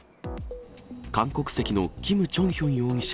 韓国籍のキム・チョンヒョン容疑者